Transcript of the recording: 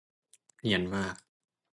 เนียนมาก